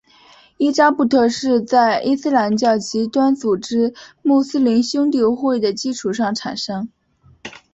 伊扎布特是在伊斯兰教极端组织穆斯林兄弟会的基础上产生。